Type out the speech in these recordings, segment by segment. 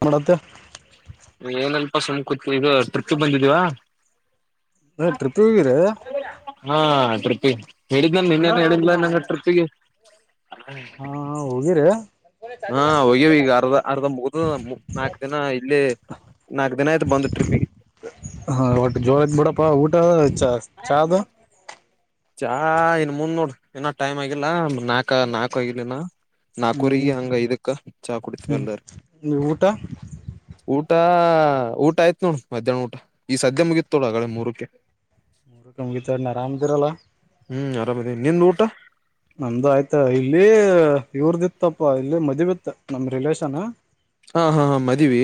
ನ ಮಾಡತೆ. ಏನಲ್ಪಾ ಸುಮ್ ಕುತ್ತಿದ ಇದು ಟ್ರಿಪಗ ಬಂದಿದೇವಾ. ನ ಟ್ರಿಪಿಗ ಹೋಗಿರೀ. ಹಾ ಟ್ರಿಪಿಗ್ ಹೇಳಿದ್ನಲ್ ನೀನ್ನೇನ್ ಹೇಳಿದ್ಲ ನಂಗ ಟ್ರಿಪಿಗಿ. ಹಾ ಹೋಗಿರಿ ಹಾ ಹೋಗಿವ ಈಗ ಅರ್ಧ ಅರ್ಧ ಮುಗದುದು ಮುಗದ ನಾಲ್ಕು ದಿನ ಇಲ್ಲಿ ನಾಕ್ ದಿನ ಆಯಿತು ಬಂದು ಟ್ರಿಪಿಗೆ ಹ ಒಟ್ಟು ಜೋರತ್ ಬಿಡಪ್ಪಾ ಊಟ ಚ ಚದು ಚಾ ಇನ್ ಮುಂದ್ ನೋಡ ಇನ್ನಾ ಟೈಮ್ ಆಗಿಲ್ಲ ನಾಕ ನಾಲ್ಕು ಆಗಿಲಿನ ಹ್ಮ್ ನಾಲ್ಕವರಿಗೆ ಹಂಗ ಐದಕ್ಕ ಚಾ ಕುಡ್ತಿೀವ ಹ್ಮ್ ಎಲ್ಲಾರ ಹ್ಮ್ ಊಟ ಊಟ ಊಟ ಆಯ್ತು ನೋಡ ಮಧ್ಯಾಹ್ನ ಊಟ ಈ ಸದ್ಯ ಮುಗಿತ ನೋಡ್ ಆಗ್ಲೇ ಮೂರಕ್ಕೆ ಮುಗಿತಾ ಏನ್ ಆರಾಮ್ ಇದಿರಲ್ಲ. ಹ್ಮ್ ಆರಾಮಿದಿವಿ ನಿಂದ್ ಊಟ ನಮ್ದು ಆಯ್ತ ಇಲ್ಲಿ ಇವ್ರದ ಇತ್ತಪ್ಪ ಇಲ್ಲಿ ಮದವಿ ಇತ್ತ ನಮ ರಿಲೇಷನ್ ಹಾಂ ಹಾಂ ಹಾಂ ಮದವಿ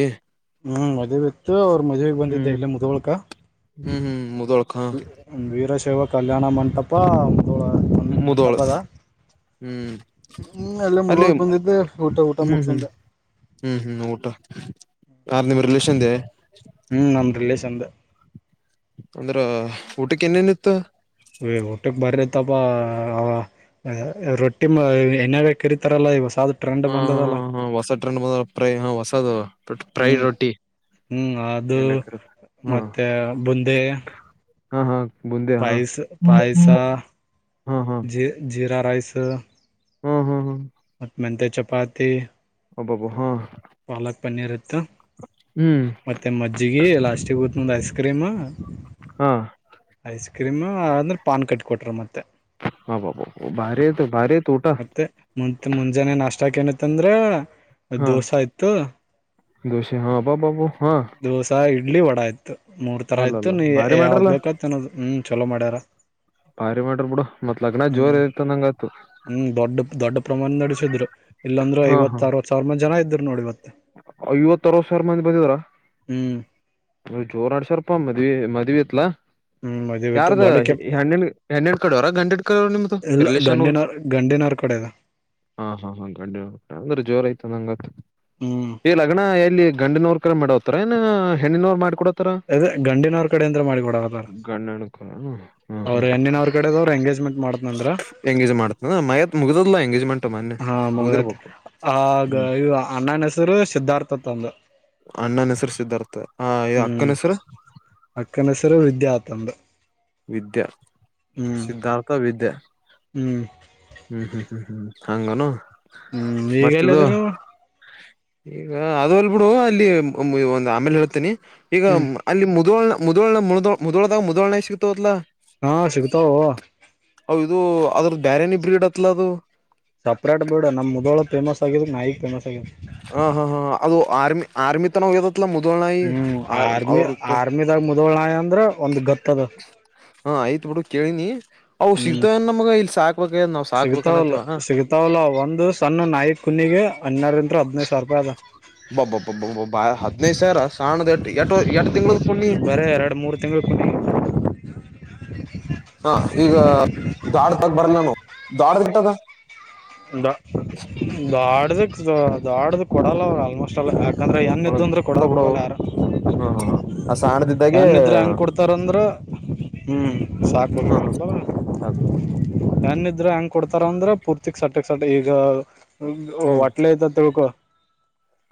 ಹ್ಮ್ ಮದವಿ ಇತ್ತು ಅವ್ರ ಮದ್ವೆಗ್ ಬಂದಿದ್ದೆ ಹ್ಮ್ ಇಲ್ಲ ಮುಧೋಳಕ ಹ್ಮ್ ಮುದೋಳ್ಕ ವೀರಶೈವ ಕಲ್ಯಾಣ ಮಂಟಪ ಮುದೋಳ ಒಂದು ಮುದೋಳ ಮಂಟಪದ ಹ್ಮ್ ಹ್ಮ್ ನಿನ್ನೆ ಅಲ್ಲೇ ಅಲ್ಲಿ ಮುದೋಳ ಬಂದಿದ್ದೆ ಊಟ ಹ್ಮ್ ಹ್ಮ್ ಮುಗಿಸಿಕೊಂಡೇ ಹ್ಮ್ ಹ್ಮ್ ಊಟ ಯಾರ್ ನಿಮ್ ರಿಲೇಷನ್ದೆ ಹ್ಮ್ ನಮ್ ರಿಲೇಷನ್ದೇ ಅಂದ್ರ ಊಟಕ್ಕೆ ಏನೇನ್ ಇತ್ತು ಏ ಊಟ್ಟಕ್ಕೆ ಬಾರಿ ಇತಪ್ಪ ರೊಟ್ಟಿ ಏನಾಗ ಕರಿತಾರಲ್ಲ ಈಗ ಹೊಸದ ಹಾ ಹಾ ಹಾ ಹೊಸ ಟ್ರೆಂಡ್ ಬೈ ಹ ಹೊಸದು ಫ್ರೈಡ ಹ್ಮ್ ರೊಟ್ಟಿ ಹ್ಮ್ ಅದು ಎಣ್ಣಕರ ಹಾ ಮತ್ತೆ ಬುಂದೆ ಹಾ ಹಾ ಬುಂದೇ ಪಾಯಸ್ ಪಾಯಸ ಹಾ ಹಾ ಜೀ ಜೀರಾ ರೈಸ್ ಹ್ಮ್ ಹ್ಮ್ ಹ್ಮ ಮತ್ತ ಮೆಂತೆ ಚಪಾತಿ ಹಬಬ ಹಾ ಪಾಲಕ್ ಪನ್ನೀರ್ ಇತ್ತ ಹ್ಮ್ ಮತ್ತೆ ಮಜ್ಜಿಗೆ ಲಾಸ್ಟ್ಗೆ ಹೋಗುತ್ಮುಂದ ಐಸ್ ಕ್ರೀಮ್ ಹಾ ಐಸ್ ಕ್ರೀಮು ಅಂದ್ರೆ ಪಾನ್ ಕಟ್ಟ ಕೊಟ್ರ ಮತ್ತೆ ಹಭಭ ಬಾರಿ ಬಾರಿ ಐತ ಊಟ ಮತ್ತೆ ಮುತ್ ಮುಂಜಾನೆ ನಾಷ್ಟಕ ಏನಿತಂದ್ರೆ ಹಾ ದೋಸೇ ಹಾ ಬ ಬಬ ಹಾ ದೋಸಾ ಇಡ್ಲಿ ವಡಾ ಇತ್ತ ಮೂರ್ ತರ ಇತ್ತು ಅಲ್ಲಲ್ಲ ನೀ ಭಾರಿ ಯಾವ್ದ್ ಮಾಡ್ರಲ್ಲ ಬೇಕತ್ ಅನೋದ ಹ್ಮ್ ಚಲೋ ಮಾಡ್ಯಾರ ಬಾರಿ ಮಾಡ್ರ ಬಿಡು ಮತ್ ಲಗ್ನ ಹ್ಮ್ ಜೋರ್ ಇತ್ತ ಅನಂಗ ಆತು ಹ್ಮ್ ದೊಡ್ಡ ದೊಡ್ಡ ಪ್ರಮಾಣ ನಡೆಸಿದ್ರು ಇಲ್ಲಾಂದ್ರ ಐವತ್ತ ಅರವತ್ ಸಾವಿರ ಮಂದ ಜನ ಇದ್ರು ನೋಡ ಇವತ್ತ ಐವತ್ತ ಅರವತ್ ಸಾವಿರ ಮಂದಿ ಬಂದಿದಾರ ಹ್ಮ್ ನ ಜೋರಾ ನಾಡಸ್ಯರ ಮದ್ವಿ ಮದ್ವಿ ಇತ್ಲಾ ಹ್ಮ್ ಮದ್ವತ್ತು ಯಾರದ ದೊಡ್ಡ ಕೆಪ್ ಹೆಣ್ಣಿ ಹೆಣ್ಣಿನ ಕಡೆಯವರ ಗಂಡಿನ ಕಡೆಯವರ ನಿಮ್ದು ಇಲ್ಲ ರಿಲಷನ್ರು ಗಂಡಿನವ್ರ ಗಂಡಿನವ್ರ ಕಡೆದ ಹಾ ಹಾ ಹಾ ಗಂಡಿನ ಕಡೆ ಅಂದ್ರ ಜೋರ ಅಂದಂಗ ಐತು ಹ್ಮ್ ಈ ಲಗ್ನ ಎಲ್ಲಿ ಗಂಡಿನವ್ರ ಕ ಮಾಡೋತಾರ ಏ ಹೆಣ್ಣಿನವ್ರು ಮಾಡ್ಕೊಡ ಅದ ಗಂಡಿನವ್ರ ಕಡೆ ಅಂದ್ರ ಮಾಡಿ ಕೊಡತ್ತಾರ ಗಣಂಡ ಎಡಕಣ ಅವ್ರ ಹೆಣ್ಣಿನವ್ರ ಕಡೆದ್ರವರ ಎಗೇಜ್ಮೆಂಟ್ ಮಾಡತನಂದ್ರ ಎಂಗೇಜ್ ಮಾಡ್ತನ ಮಯತ್ ಮುಗ್ದದ್ಲಾ ಎಂಗೇಜ್ಮೆಂಟ್ ಮೊನ್ನೆ [inaudible] ಹಾ ಮುಗದೇತಿ ಮುಗ್ದಿರ್ಬೇಕು [inaudible] ಆಗ ಹ್ಮ್ ಅನ್ನಾನ ಹೆಸರ್ ಸಿದ್ಧಾರ್ಥಅಂತ ತಂದ ಅಣ್ಣ ನ ಹೆಸರ ಸಿದ್ದಾರ್ಥ ಹ ಹ್ಮ್ ಅಕ್ಕನ ಹೆಸರ ಅಕ್ಕನ ಹೆಸರ ವಿದ್ಯಾ ಆ ತಂದು ವಿದ್ಯಾ ಹ್ಮ್ ಸಿದ್ಧಾರ್ಥ ವಿದ್ಯಾ ಹ್ಮ್ ಹ್ಮ್ ಹ್ಮ್ ಹ್ಮ್ ಹ್ಮ್ ಹಂಗನು ಹ್ಮ್ [inaudible] ಮತ್ತ ಇದು ಈಗೆಲ್ಲಿದ್ರಿ ನೀವು [inaudible] ಈಗ ಅದ ಅಲ್ ಬಿಡು ಅಲ್ಲಿ ಒಂದ್ ಆಮೇಲೆ ಹೇಳ್ತೇನಿ ಈಗ ಹ್ಮ್ ಅಲ್ಲಿ ಮುದೋನ ಮುದೋನ ಮು ಮುದೋಳದಾಗ ಮುದೋಳ ಸಿಕ್ತವತ್ ಅಲ್ಲ ಹಾ ಸಿಗ್ತವು ಅ ಇದು ಅದ್ರದ್ದ ಬ್ಯಾರನಿ ಬ್ರೀಡ್ ಅತ್ತಲ ಅದು ಸಪ್ರೇಟ್ ಬೇಡ ನಮ್ಮ ಮುದೋಳ ಫೇಮಸ್ ಆಗಿದಿ ನಾಯಿಗೆ ಫೇಮಸ್ ಆಗಿದೆ ಹಾ ಹಾ ಹಾ ಅದು ಆರ್ಮಿ ಆರ್ಮಿತನ ಹೋಗಿದೆ ಮುದಳ ನಾಯಿ [unintelligible] ಹ್ಮ್ ಆರ್ಮಿ ಆರ್ಮಿದಾಗ ಮುದೋಳನ ನಾಯಿ ಅಂದ್ರ ಒಂದ್ ಗತ್ತ ಅದ ಹಾ ಆಯ್ತ್ ಬಿಡು ಕೇಳಿನಿ ಅವು ಹ್ಮ್ ಸಿಗ್ತವ ನಮ್ಗ ಇಲ್ಲಿ ಸಾಕ್ಬೇಕ್ ನಾವ್ ಸಾಕ್ಬೇಕನ್ತ್ತವ ಇವಲ್ಲ ಒಂದುಸಣ್ಣ ನಾಯಿ ಕುನ್ನಿಗೆ ಹನ್ನಾರಂದ ಹದಿನೈದು ಸಾವಿರ ರೂಪಾಯಿ ಅದ ಬಬ್ಬಬಬಬಬ ಹದಿನೈದ ಸಾವಿರ ಸಣಾದ ಎಟ್ಟ್ಎಟ್ಟ ತಿಂಗಳದ ಕುನ್ನಿ ಕರೆ ಎರಡ ಮೂರು ತಿಂಗಳ ಕುನ್ನಿ ಹ ಈಗ ದ್ವಡತಗ ಬರ್ಲನು ದ್ವಡ ಎಟ್ಟ ಅದ ಅದದ ದಾಡ್ದದ ದಾಡ್ದ ಕೊಡಲ್ಲ ಅವರು ಆಲ್ಮೋಸ್ಟ್ ಅಲ್ ಯಾಕಂದ್ರೆ ಏನ ಇದ್ದವ ಅಂದ್ರೆ ಕೊಡಕ್ಕೆ ಬಿಡು ಹೋಗಲ್ಲ ಯಾರು ಹ ಹ ಆ ಸಾಣದಿದ್ದಾಗೆ ಹೆಣ್ಣ ಇದ್ರ ಹೆಂಗ ಕೊಡ್ತಾ ರಂದ್ರ ಹ್ಮ್ ಸಾಕಬೇಕ್ ಹ ಹ ಇಲ್ಲ ಅವನ್ ಸಾಕು ಹೆಣ್ಣ ಇದ್ರ ಹೆಂಗ ಕೊಡ್ತಾರ ಅಂದ್ರ ಪೂರ್ತಿ ಸಟ್ಟಕ್ ಸಟ್ ಈಗ ಅಯ್ಯೋ ಹ್ಮ್ ಒಟ್ಲ ಐ್ತತ ಅಂತ ತಿಳ್ಕೊ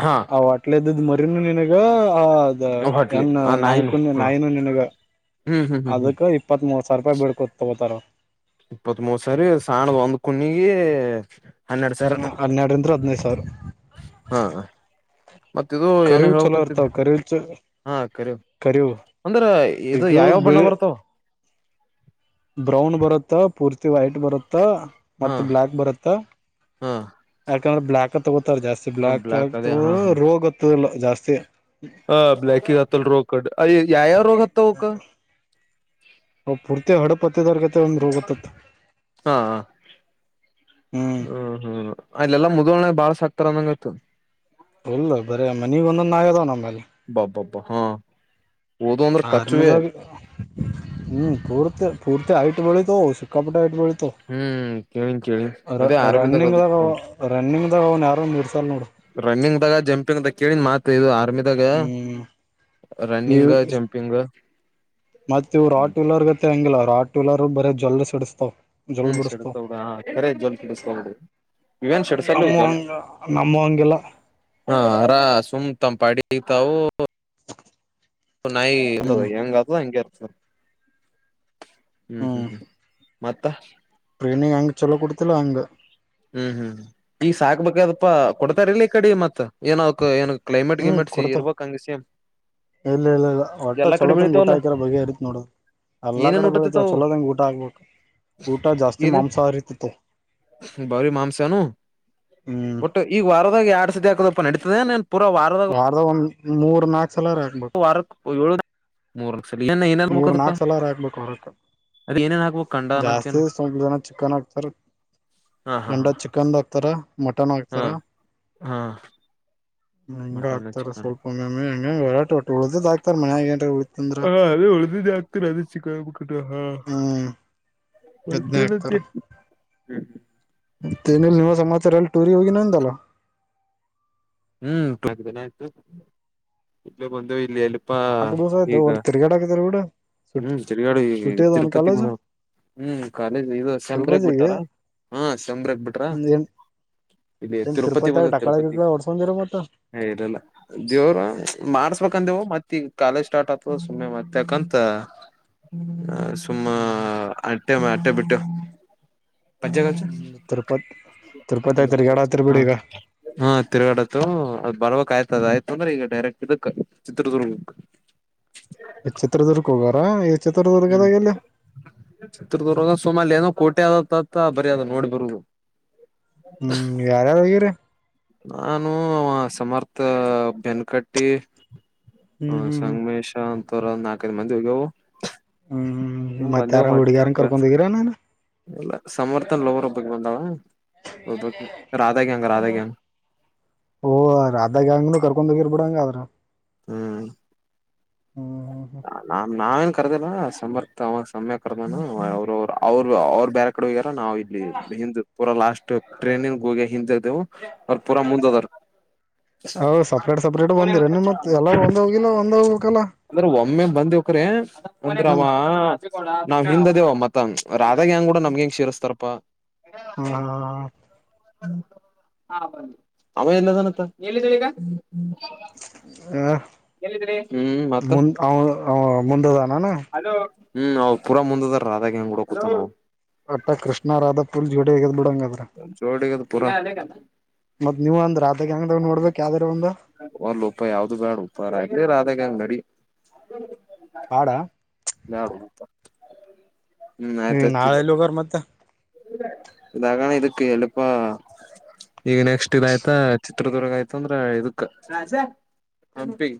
ಹಾ ಹೊಟ್ಟಲಿಇದ್ದಿದ್ದ ಮರಿನು ನಿನಗ ಆ ಅದ ಹೊಟ್ಲಿ ಆ ನಾಯಿನು ಹೆಣ್ಣನಾಯಿಕುನ್ನಿ ಹ ನಾಯಿನು ನಿನಗ ಹ್ಮ್ ಹ್ಮ್ ಹ್ಮ್ ಹ್ಮ್ ಅದಕ್ ಇಪ್ಪತ್ ಮೂರು ಸಾವಿರ ರೂಪಾಯಿ ಬಿಳ್ಳತ್ ತಗೋತಾರ ಇಪ್ಪತ್ ಮೂರು ಸಾರಿ ಸಾಣದ ಒಂದ ಕುನ್ನಿಗೆ ಹನ್ನೆಡ ಸಾವಿರ ಹನ್ನೆಡ ಅಂದ್ರ ಹದಿನೈದ ಸಾವರ [inaudible] ಹಾ [inaudible] ಅಕಿದು ಏನು ಕರಿವು ಚಲೋ ಹೇಳಬೆಕತಿದ ಇರ್ತಾವ ಕರಿವು ಚ [inaudible] ಹಾ ಕರಿ ಕರಿವು ಅಂದ್ರ ಇದು ಈಗ ಯಾವ ಯಾವ ಬಣ್ಣ ಬಿಳಿ ಬರ್ತಾವ ಬ್ರೌನ್ ಬರುತ್ತ ಪೂರ್ತಿ ವೈಟ್ ಬರುತ್ತ ಹಾ ಮತ್ತ ಬ್ಲಾಕ್ ಬರುತ್ತ ಹಾ ಯಾಕಂದ್ರ ಬ್ಲಾಕ್ ತಗೋತಾರ ಜಾಸ್ತಿ ಹ ಬ್ಲಾಕ್ ಆ ಅದೇ ತಗೋ ಹಾ ಹಾ ರೋಗ್ತ್ತಲ್ಲ ಜಾಸ್ತಿ ಹ ಬ್ಲಾಕಿಗಿ ಹತ್ತಲ್ ರೋಗ ಕರೆಕ್ಟ್ ಅಯ ಯಾವ ಯಾವ ರೋಗ ಹತ್ತವ ಅವಕ್ಕ ಹ್ ಪೂರ್ತಿ ಹಡಪತ್ತೆದಾರ್ಕತೆ ಒಂದ್ ರೋಗತ್ತತ್ ಹಾ ಹ್ಮ್ ಹ್ಮ್ ಅಲ್ಲಲಾ ಮುದೋಳನ್ಯಾಗ ಬಾಳ ಸಾಕ್ತಾರ ಅಂದಂಗ ಆಯತು ಎಲ್ಲೋ ಬರೆ ಮನೆಗೊಂದುಂದು ಆಗದೋ ನಂಬಲ್ಲೀ. ಬಾ ಬಬ ಹಾ ಓದು ಅಂದ್ರೆ ಕಚ್ಚುವೆ. ಆರ್ಮಿದಾಗ ಹ್ಮ್ ಪುರ್ತೆ ಪುರ್ತ ಹೈಟ್ ಬಳಿತ ಸಕ್ಕಾಪಟ್ಟೆ ಹೈಟ್ ಬಳಿತವು. ಹ್ಮ್ ಕೇಳಿನ್ ಕೇಳಿನ್ ಅದೇ ಆರಮ್ದಾಗ ಇದ್ಕೊಂಡು. ರನ್ನಿಂಗ್ ದಾಗ ಅವ್ನ್ ಯಾರು ಮೀರ್ಸಲ್ ನೋಡು. ರನ್ನಿಂಗ್ ದಾಗ ಜಂಪಿಂಗ್ದಾಗ ಕೇಳಿ ಮಾತು ಇದು ಆರ್ಮಿ [unintelligible] ದಾಗೇ ಹ್ಮ್ ನೀವು ರನ್ನಿಂಗ್ ಜಂಪಿಂಗ್. [unintelligible] ಗಿಲ್ಲ ಅವರ್ ಆಟ್ ವೀಲರ್ ಬರೇ ಜೋಲ್ ಸಿಡಿಸತಾವ್. ಹ್ಮ್ ಸಿಡಿತವ್ರ ಹಾ ಖರೇ ಜೋಲ್ ಸಿಡುಸ್ತಾವೇ ಬಿಡ್ರೀ. ಹ್ಮ ನಮ್ಮುಂಗ ನಮ್ಮುವಂಗಿಲ್ಲ. ಹಾ ಅರಾ ಸುಮ್ ತಂಪಾಡಿಗ್ ತಾವು. ಚೌಂ ನಾಯಿ ಹೆಂಗ ಆತದೋ ಹಂಗ್ ಕೆಲಸ. ಹ್ಮ್ ಹ್ಮ್ ಹ್ಮ್ ಮತ್ತ. ಟ್ರೈನಿಂಗ್ ಹಂಗ್ ಚಲೋ ಕೊಡ್ತಿಲ್ಲ ಹಂಗೆ. ಹ್ಮ್ ಹ್ಮ್ ಈಗ ಸಾಕ್ಬೇಕದಪ್ಪಾ ಕೊಡ್ತಾರಿಲ್ಲ ಈ ಕಡೆ ಮತ್ ಏನಕ್ಕೊ ಏನ್ ಕ್ಲೈಮೇಟ್ ಹ್ಮ್ ಗೀಮೇಟ್ ಸಿ ಕೊಡ್ತಾವ ಇರ್ಬೇಕ್ ಅಂಗೇ ಸೇಮ್. ಇಲ್ಲ ಇಲ್ಲ ಇಲ್ಲ ವಟ್ಟೋ ಎಲ್ಲಾ ಕಡೆ ಚಲೋ ತಂಗ ಊಟ ಬೆಳಿತಾವಲ್ಲ ಹಾಕೀರ ಬಗೆ ಅರಿತಿತ್ ನೋಡೋ. ಎಲ್ಲ ಏನೇನ್ ಕಡೆ ಬೆಳತವ ಊಟತಿತಾವು ಚಲೋದಂಗೆ ಊಟ ಹಗ್ಬೇಕು ಊಟ ಜಾಸ್ತಿ ಮಾಂಸಹರಿ ತಿಂತಾವೆ. ಬರಿ ಮಾಂಸನು ಹ್ಮ್ ಒಟ್ಟು ಈಗ ವಾರದಾಗ ಎರಡು ಸತಿ ಆಕದಪ್ಪ ನಡತದೆ ಎನ್ ಪೂರಾ ವಾರದ. ವಾರದಗ ಒಂದ್ ಮೂರ್ ನಾಲ್ಕ್ ಸಲರ ಹಾಕ್ಬೇಕು. [unintelligible] ಸಲ ಏನ್ ಏನ್ ಹಾಕ್ಬೇಕ ಮೂರು ಅದಕ್ಕ ನಾಲ್ಕು ಸಲ ನಾ ಹಾಕಬೇಕು ವಾರಕ್ಕ. ಅದ ಏನೇನ್ ಹಾಕ್ಬೇಕ್ ಕಂಡ ಜಾಸ್ತಿ ಅನ್ನಕೇನು ಸ್ವಲ್ಪ ಜನ ಚಿಕನ್ ಆಕ್ತಾರೆ. ಹಾ ಹಾ ಹಾ ಖಂಡ ಚಿಕನ್ದ ಹಾಕ್ತಾರ ಮಟನ್ನು ಹಾ ಹಾಕ್ತಾರ. ಹಾ ಹಂಗ ಮಟನ್ ಆಕ್ತಾರ ಚಿಕನ್ ಸ್ವಲ್ಪ ಮಮ್ಮೆ ಹಂಗೆ ವರಾಟ ಒಟ್ಟು ಉಳ್ದೀದ್ ಹಕ್ತಾರ ಮನ್ಯಾಗ ಎನರ ಉಳಿತಂದ್ರ. ಹ ಅದೇ ಹೊಳ್ದಿದ್ದೇ ಆಕ್ತೀನಿ ಅದೇ ಚಿಕ್ಕನ್ ಮಕನ್ ಹಾ ಹ್ಮ್ ಅದ್ನೇ ಮತ್ತೆನ್ ಅಂತ್ ಹ್ಮ್ ಹ್ಮ್ ಮತ್ತ ಇನಿಲ್ಲೋ ಸಮಾಚಾರ ಎಲ್ಲಿ ಟೂರಿ ಹೋಗಿನಂದಲ್ಲ. ಹ್ಮ್ ಪ್ರಗ ದಿನ ಆಯ್ತು ಇಲ್ಲೇ [unintelligible] ಅಪ್ಪಾ ನಾಲ್ಕು ದಿವಸ ಆಯ್ತು ಈಗ ಒಟ್ ತಿರ್ಗಾಡಾಕತ್ತೀರಿ ಬಿಡು ಸುಟ್ಟಿ ಹ್ಮ್ ತಿರುಗಾಡು ಸುಟ್ಟಿ ಈಗ ಅದಾವನ್ ತಿರುಪತಿ ಕಾಲೇಜು [unintelligible] ಹ್ಮ್ ಕಾಲೇಜ್ ಇದು ಶೆಂಬ್ರಕ್ಕ್ ತಿರುಪತಿಗೆ ಬಿಟಾರ ಹಾ ಶೆಂಬ್ರಕ್ ಬಿಟ್ರ. ಏನ್ ಇಲ್ಲಿ ತಿರುಪತಿ ಬಂದೈತಿ ತಿರುಪತಿ. ಬಂದರ ಮತ್ತ. ಹೇ ಇಲ್ಲ ಇಲ್ಲ. ದೇವರ ಮಾಡ್ಸ್ ಬೇಕಂದೆವು ಮತ್ತ ಈಗ ಕಾಲೇಜ್ ಸ್ಟಾರ್ಟ್ ಆಗ್ತದ ಸುಮ್ಮ್ನೆ ಮತ್ತಯಾಕಂತ. ಹಾ ಸುಂ-' ಹ್ಮ್ ಅಟ್ಟಮ್ಮ ಅಟ್ಟೆ ಬಿಟ್ಟು. ಪಚ್ಚೆಗಚ್ಚು ಹ್ಮ್ ತಿರುಪತಿ ತಿರುಪತಿ ತಿರ್ಗಾಡತಿರ್ ಹಾ. ಬಿಡಿ ಈಗ ಹಾ ತಿರುಗಡತ್ತು ಅದ್ ಬರ್ಬೇಕ್ ಆಯ್ತದ ಆಯ್ತು ಅಂದ್ರೆ ಈಗ ಡೈರೆಕ್ಟ್ ಇದಕ್ ಚಿತ್ರದುರ್ಗಕ್ಕ. ಚಿತ್ರದುರ್ಗಕ್ಕ್ ಹೋಗಾರಾ. ಹ್ಮ್ ಚಿತ್ರದುರ್ಗ ಸೋಮಾಲ ಏನೋ ಕೋಟೆ ಆದದತ್ತ್ತ ಬರಿದ ನೋಡಿಬರೋದು. ಹ್ಮ್ ಯಾರ್ ಯಾರ್ ಹೋಗ್ಯರೇ. ನಾನು ಸಮರ್ಥ ಬೆನ್ಕಟ್ಟಿ. ಹ ಹ್ಮ್ ಹ್ಮ್ ಹ್ಮ್ ಸಂಗ್ಮೇಶ ಅಂತವ್ರು ನಾಲ್ಕೈದು ಮಂದಿ ಯೋ ಹ್ಮ್ ಹ್ಮ್ ಹ್ಮ್ ಹು ಮತ್ ಬಂದೇವ್ ಯಾರ ಮಾಡ್ಕ್ ಹುಡ್ಗ್ಯಾರನ್ ಬೆ ಕರ್ಕೊಂಡ್ ಹೋಗಿರ ನಾನ ಎಲ್ಲ ಸಮರ್ಥನ್ ಲೋವರ್ ಒಬ್ಬಕ್ ಬಂದಾವ ಒಬ್ಬಕ್ ರಾಧ ಗ್ಯಾಂಗ್ ರಾಧಾಗ್ಯಂಗ್. ಓ ಆ ರಾಧಾಗ್ಯಾಂಗ್ನೂ ಕರ್ಕೊಂಡೋಗಿರ್ಬಿಡಂಗ ಆವ್ರು. ಹ್ಮ್ [unintelligible] ನಾ ನಾವೇನ್ ಕರ್ದಿಲ್ಲ ಸಮರ್ಥ್ ಅವ ಸಮ್ಯ ಕರ್ದಾನ ಅವರು ಅವ್ರು ಅವ್ರು ಬ್ಯಾರೆ ಕಡೆ ಹೋಗ್ಯಾರ ನಾವು ಇಲ್ಲಿ ಹಿಂದ್ ಪೂರ ಲಾಸ್ಟ್ ಟ್ರೈನಿಂಗ್ ಹೋಗಿ ಹಿಂತಿದೇವು. ಅವ್ರ್ ಪೂರಾ ಮುಂದದಾರ. ಹೌ ಸಪ್ರೇಟ್ ಸಪ್ರೇಟ್ ಬಂದಿರ ನೀ ಮತ್ ಎಲ್ಲಾರು ಒಂದ ಹೋಗಿಲ್ಲ ಒಂದೋಗಕಲ್ಲ. ಅಂದ್ರ ಒಮ್ಮೆ ಬಂದವಕ್ರೆ ಅಂದ್ರ ಹ್ಮ್ ಅವಾ ನಾವ್ ಹಿಂದಿದೇವ ಮತ್ತ ರಾಧಾ ಗ್ಯಾಂಗಂಗೂಡ ನಮ್ಗೆಂಗ್ ಸೇರ್ಸ್ತಾರಪ್ಪಾ? ಹ್ಮ್ ಅವಾ ಎಲ್ಲಿದನಂತ ಎಲ್ಲಿದಿ ಈಗ? ಎಲ್ಲಿದ್ರಿ ಹ್ಮ್ ಮತ್ತ ಮುಂದ್ ಅವಾ ಮುಂದದನೇನ? ಅದು ಹ್ಮ್ ಅವ ಪೂರ ಮುಂದದ ರಧಾಗ್ಯಾಂಗು [unintelligible] ಅತ್ತ ಕೃಷ್ಣಾರಾಧಾ ಪುಲ್ ವಿಡ್ಯೋ ಆಗದ್ ಬಿಡಂಗಾದ್ರೆ. ಒ ಚೋಡಗದು ಪುರ. ಮತ್ ನೀವು ಅಂದ್ರ ಅತಕ್ಕೆ ಹೆಂಗದ ನೋಡ್ಬೇಕ್ ಯಾವ್ದಾರ ಒಂದು. ಒಂದು ರುಪಾಯ ಯಾವ್ದು ಬ್ಯಾಡ ಉಪಾಯ ಆಯತ ರಧಾಗ್ಯಾಂಗ್ ನಡಿ. ಹಾಡ ನಾ ಹ್ಮ್ ಆಯ್ತತಲ್ಲ. ಮತ್ತ ದಾಗಣ ಇದುಕ್ಕೆ ಎಲ್ಲಿಪ್ಪಾ? ಈಗ ನೆಕ್ಸ್ಟ್ ಇದ್ ಆಯ್ತಾ ಚಿತ್ರದುರ್ಗ ಆಯ್ತು ಅಂದ್ರೆ ಇದಕ್ಕ ರಾಜ. ಹಂಪಿ.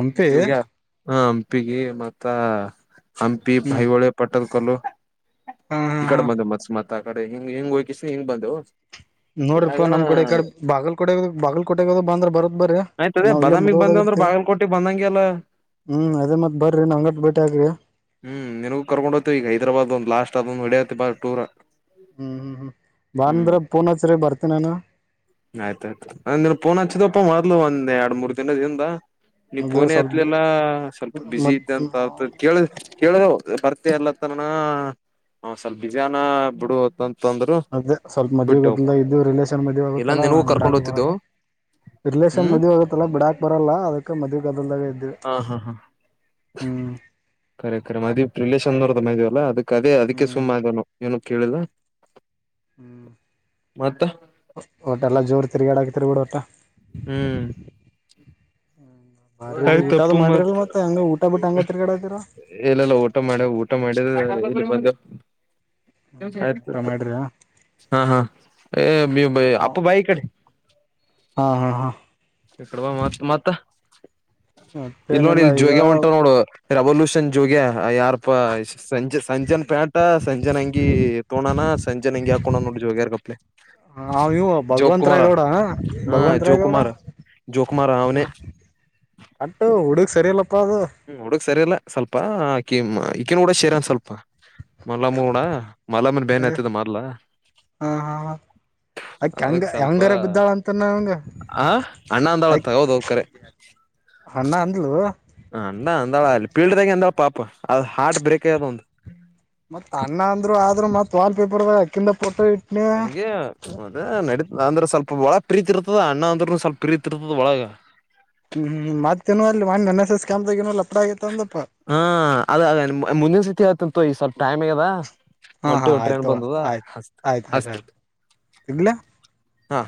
ಹಂಪಿ ಜುಗ್ಯ ಹ ಹಂಪಿಗೆ ಮತ್ತ ಹಂಪಿ, ಹ್ಮ್ ಹೖಹೊಳೆ, ಪಟ್ಟದ್ಕಲ್ಲು. ಹಾ ಹಾ ಕಡ್ ಹಾ ಮತ ಮಸ್ ಮತ್ ಆ ಕಡೆ ಹಿಂಗ್ ಹಿಂಗ್ ಹೋಕಿಸಿ ಹಿಂಗ ಬಂದು. ನೋಡ್ರರಿಪ್ಪಾ ನಮ್ಕಡೆ ಈ ಕಡೆ ಬಾಗಲ್ಕೋಟೆ ಬಾಗಲ್ಕೋಟಗದ ಬಂದ್ರ ಬರತ್ ಬರ್ರೀ. ಆಯ್ತದ ಬದಾಮಿ ಬಂದ್ ಅಂದ್ರ ಬಾಗಲ್ ಕೊಟ್ಟಿ ಬಂದಂಗೆ ಅಲ್ಲ ಹ್ಮ್ ಅದೇತ್ ಮತ್ ಬ್ರರಿ ನಂಗಟ್ಟ ಬೇಟಿ ಆಗಿ. ಹ್ಮ್ ನಿನ್ಗೂ ಕರ್ಕೊಂಡೋಗ್ತೀವಿ ಈಗ ಹೈದರಾಬ್ ಒಂದು ಲಾಸ್ಟ್ ಅದೊಂದ್ ಹೊಡಂತೀಬಾ ಟೂರ. ಹ್ಮ್ ಹ್ಮ್ ಹ್ಮ್ ಬಂದ್ರ ಪೂನಚರಿ ಬರ್ತೀನಾನು. ಆಯ್ತಾಯ್ತು ಅಂದ್ರ್ ಪೋನಚ್ಚಿದಪ್ಪ ಮೊದ್ಲು ಒಂದ್ ಎರಡ್ ಮೂರ್ ದಿನದಿಂದ. ನೀ ಇದು ಪೋನ ಸ್ವಲ್ಪ ಎತ್ಲಿಲ್ಲಾ ಸ್ವಲ್ಪ ಮ ಬಿಸಿ ಇದ್ದಂತ ಕೇಳ ಕೇಳಿದವ್ ಬರ್ತ ಇರ್ಲತ್ತನಣ. ಹ್ ಸ್ವಲ್ಪ ಬಜಿಯಾನ ಬಿಡು ಹೊತ್ತುಂತ ಮತ್ತೆ ಸ್ವಲ್ಪ ಮದ್ವಿ ಗೊತ್ತಿಲ್ಲ ಇದು ರಿಲೇಷನ್ ಮದ್ವೆ ಇಲ್ಲಾ ಆಗತ್ತಲ್ಲಾ ನಿನಗೂ ಹಂಗ್ ಕರ್ಕೊಂಡ್ ಬಿಡಕ್ ಬರಲ್ಲ. ಹೋಗ್ತಿದ್ದೆವು ರಿಲೇಷನ್ ಹ್ಮ್ ಮದ್ವೆ ಆಗತ್ತಲ್ಲ ಬಿಡಾಕ್ ಬರಲ್ಲ ಅದಕ್ಕೆ ಮದ್ವೆ ಗದಲ್ದಾಗ ಇದ್ವಿ. ಹಾ ಹಾ ಹಾ ಹ್ಮ್ ಕರೆ ಕರೆ ಮದ ರಿಲೇಷನೊರ್ದ ಮದ್ವಿಲ್ಲಾ ಅದಕ್ಕೆ ಅದೇ ಅದಕ್ಕೆ ಸುಮ್ ಹ್ಮ್ ಆದನು ಏನು ಕೇಳಿಲ್ಲ. ಮತ್ತ ಔಟಲ್ಲ ಜೋರು ತಿರ್ಗಾಡಕತಿರಿ ಬಿಡ ಟ. ಹ್ಮ್ ಬಾರಿ ಆಯ್ ಊಟದ್ ತಪ್ಪು ಮಾಡಿರಲ್ ಮತ್ ಮತ್ತ್ ಹಂಗ ಊಟ ಬಿಟ್ಟ ಹಂಗ ತಿರ್ಗಡೆಲತ್ತಿರಾ. ಇಲ್ಲೆಲ್ಲ ಊಟ ಮಾಡೆವ್ ಊಟ ಮಾಡಿ ಇಲ್ಲಿಗ್ ಬಂದೆವ್ ಆಯ್ತ ಊಟ ಆ್ತ ಮಾಡ್ರಿ ಹಾ ಹಾ ಅಪ್ಪ ನಾವ್ ಬಾಯ ಈಕಡೆ ಹಾ ಹಾ ಹಾ ಮ ಮತ್ತ ಇಲ್ ನೋಡಿ ಮತ್ತೇನಿಲ್ಲ ಇಲ್ಲಿ ಈಗ ಜೋಗ್ಯ ಹೊಂಟ ನೋಡು. ರೆವಲ್ಯೂಷನ್ ಜೋಗ್ಯ ಯಾರಪ ಸಂಜೆ ಸಂಜನ್ ಪ್ಯಾಟ ಸಂಜೆನ್ ಹಂಗಿ ತೋಣೋಣ ಸಂಜೆನ್ ಹಂಗಿ ಹಾಕೋಣ ನೋಡ್ರ ಜೋಗ್ಯಾರ್ ಕಪ್ಲೆ. ಆ ಇವು ಭಗವಂತ್ರೆ ಗೌಡ ಭಗವಂತ್ರೆ ಗೌಡ ಜೋಕುಮಾರಾ ಅವ್ನೆ ಅಟ್ಟು ಹುಡುಗ್ ಸರಿಯಿಲ್ಲಪ್ಪ ಅದು ಹ್ಮ್ ಹುಡುಕ್ ಸರಿಯಲ್ಲಾ ಸ್ವಲ್ಪ ಆಕಿ ಈಕಿನ ಹುಡ ಸೇರಾನ್ ಸ್ವಲ್ಪ ಮಲಮ್ಮಡ ಮಲಮ್ಮನ್ ಬೇನ್ ಹತ್ತದ ಮಾರ್ಲಾ ಹಾ ಹಾ ಅಕೆ ಹೆಂಗ ಅದಕ್ ಸ್ವಲ್ಪ ಹೆಂಗರ ಬಿದ್ದಾಳ ಅಂತನ ಆ ಅಣ್ಣ ಅಂದಾಳತ್ತ ಹೌದ್ ಹೌದ್ ಕರೆ ಅಣ್ಣ ಅಂದ್ಲು ಅಣ್ಣ ಅಂದಳ ಅಲ್ಲಿ ಫೀಲ್ಡ್ ದಾಗೆ ಅಂದಳ ಪಾಪ ಅದು ಹಾರ್ಟ್ ಬ್ರೇಕ್ ಆಗ್ಯದ್ ಅವ್ನ್ದು ಮತ್ತ್ ಅಣ್ಣ ಅಂದ್ರು ಆದ್ರು ಮತ್ ವಾಲ್ಪೇಪರ್ ಅಕ್ಕಿಂದ ಪೋಟೋ ಇಟ್ಟ್ ಹಂಗೆ ಅದ ನಡ ಅಂದ್ರೆ ಸ್ವಲ್ಪ ಒಳಗ ಪ್ರೀತಿ ಇರ್ತದ ಅಣ್ಣ ಅಂದ್ರೂನು ಸ್ವಲ್ಪ ಪ್ರೀತಿ ಇರ್ತದ ಒಳಗ ಹ್ಮ್ ಹ್ಮ್ ಮತ್ತ್ ಇನ್ ಎನ್ ಎಸ್ ಎಸ್ ಕ್ಯಾಂಪ್ದಾಗ್ ಏನು ಇಲ್ಲ ಹಾ ಅದ ಅದ ಮುಂದಿನ ಸತಿ ಹೇಳ್ತಿನ್ ತಕೊ ಈಗ್ ಸ್ವಲ್ಪ ಟೈಮ್ ಆಗ್ಯದ ಹಾ ಹಾ ಒಂಟಿವ್ ಟ್ರೇನ್ ಆಯ್ತು ಬಂದದಾ ಆಯ್ತು ಆಸ್ ಆಯ್ತ ಆಯ್ತ ಆಯ್ತು ಇಗ್ಲ ಹಾ